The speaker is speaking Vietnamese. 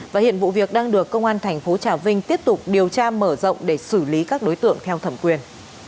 và hiện vụ việc đang được công an thành phố trà vinh tiếp tục điều tra mở rộng để xử lý các đối tượng theo thẩm quyền